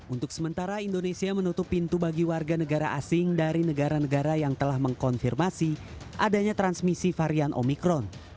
untuk sementara indonesia menutup pintu bagi warga negara asing dari negara negara yang telah mengkonfirmasi adanya transmisi varian omikron